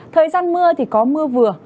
thời gian mưa thì có mưa vừa